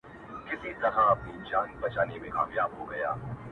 تلویزیوني خپرونې مختلف موضوعات لري